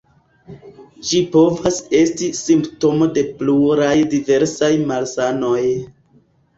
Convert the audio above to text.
Ĝi povas esti simptomo de pluraj diversaj malsanoj.